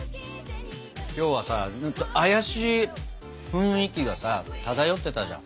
今日はさ怪しい雰囲気がさ漂ってたじゃん。